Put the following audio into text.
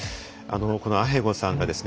このアヘゴさんがですね